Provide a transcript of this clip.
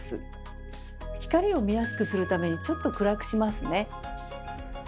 光を見やすくするためにちょっと暗くしますね。